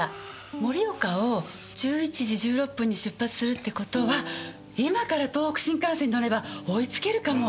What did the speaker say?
盛岡を１１時１６分に出発するって事は今から東北新幹線に乗れば追いつけるかも。